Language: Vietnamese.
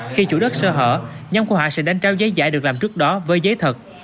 khi chủ đất sơ hở nhóm của họ sẽ đánh trao giấy giải được làm trước đó với giấy thật